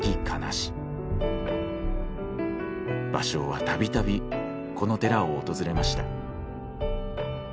芭蕉は度々この寺を訪れました。